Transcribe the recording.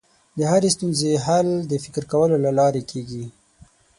د هرې ستونزې حل د فکر کولو له لارې کېږي.